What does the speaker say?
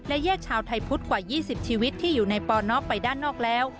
และแยกชาวไทยพุทธกว่า๒๐ชีวิตที่อยู่ในปนไปด้านนอกแล้ว